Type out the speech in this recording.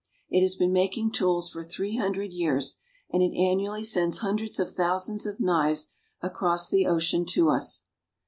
It has been making tools for three hundred years, and it annually sends hundreds of thousands of knives across the ocean to us.